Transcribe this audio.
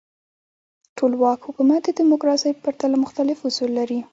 ټولواک حکومت د دموکراسۍ په پرتله مختلف اصول لري.